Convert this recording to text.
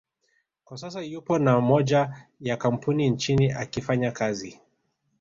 kwa sasa yupo na moja ya kampuni nchini akifanya kazi